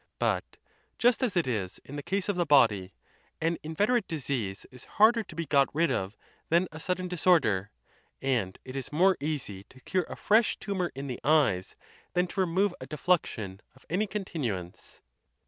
But, just as it is in the case of the body, an inveterate disease is harder to be got rid of than a sudden disorder; and it is more easy to cure a fresh tumor in the eyes than to re move a defluxion of any continuance.